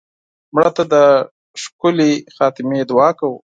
مړه ته د ښکلې خاتمې دعا کوو